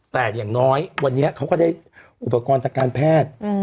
แต่อย่างน้อยวันนี้เขาก็ได้อุปกรณ์ทางการแพทย์